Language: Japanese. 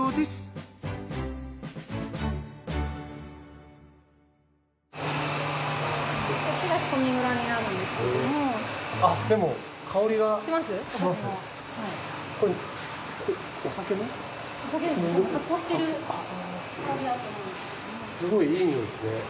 すごいいい匂いですね。